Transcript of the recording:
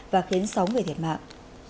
và khiến sáu người thiệt mạng